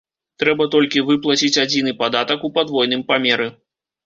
Трэба толькі выплаціць адзіны падатак у падвойным памеры.